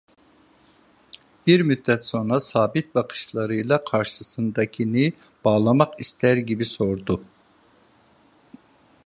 Bir müddet sonra sabit bakışlarıyla karşısındakini bağlamak ister gibi sordu: